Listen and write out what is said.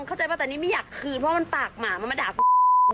เข้าใจป่ะแต่นี่ไม่อยากคืนเพราะมันปากหมามันมาด่ากู